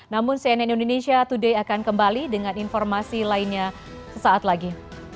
namun cnn indonesia today akan kembali dengan informasi lainnya sesaat lagi